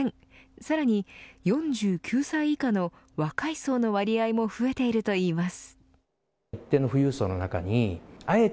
さらに４９歳以下の若い層の割合も増えているといいます。